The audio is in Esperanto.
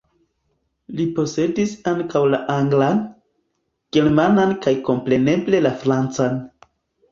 Li posedis ankaŭ la anglan, germanan kaj kompreneble la francan.